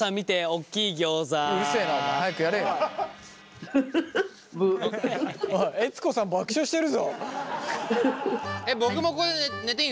おい悦子さん爆笑してるぞ。